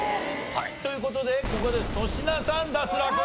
という事でここで粗品さん脱落！